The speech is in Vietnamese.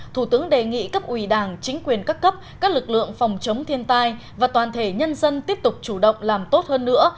thủ tướng đề nghị cấp ủy đảng chính quyền các cấp các lực lượng phòng chống thiên tai và toàn thể nhân dân tiếp tục chủ động làm tốt hơn nữa